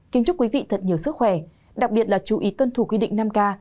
kính chúc quý vị thật nhiều sức khỏe đặc biệt là chú ý tuân thủ quy định năm k